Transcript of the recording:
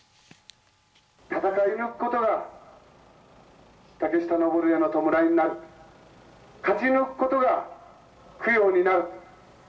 戦い抜くことが竹下登への弔いになる、勝ち抜くことが供養になる。